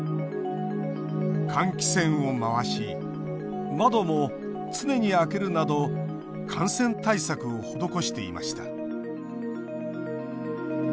換気扇を回し窓も常に開けるなど感染対策を施していました。